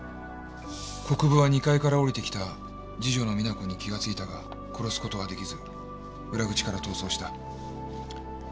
「国府は２階から下りてきた次女の実那子に気がついたが殺すことはできず裏口から逃走した」「事件